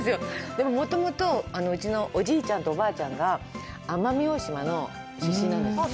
でももともと、うちのおじいちゃんとおばあちゃんが奄美大島の出身なんです。